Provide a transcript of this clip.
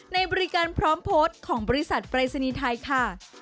ในบริการพร้อมโพสต์ของบริษัทปรายศนีย์ไทยค่ะ